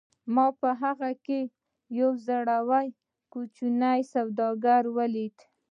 ما په هغه کې یو زړور کوچنی سوداګر ولید